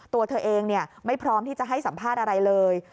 ตัวเธอเองไม่พร้อมที่จะให้สัมภาษณ์อะไรเลย